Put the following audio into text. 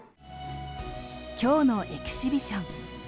今日のエキシビション。